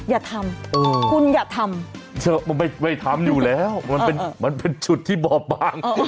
อย่าทำเออคุณอย่าทำไม่ทำอยู่แล้วมันเป็นมันเป็นชุดที่บ่อปางเออ